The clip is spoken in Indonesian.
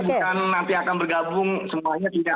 jadi nanti akan bergabung semuanya juga